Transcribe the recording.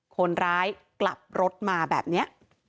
คนร้ายกลับรถมาแบบนี้